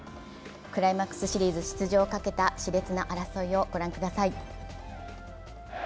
クライマックスシリーズ出場をかけたしれつな争いをご覧ください。